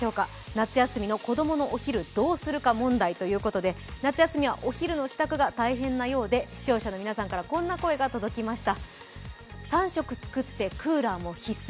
夏休みの子供のお昼どうするか問題ということで夏休みはお昼のしたくが大変なようで、視聴者の皆さんからこのような声が届きました。